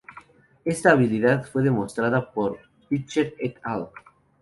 Esta habilidad fue demostrada por Pitcher et Al.